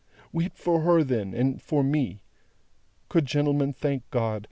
Weep for her, then, and for me! Good gentlemen, thank God!